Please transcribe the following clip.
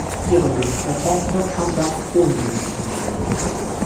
Ihre jüngste Tochter kam dann ohne medizinische Hilfe.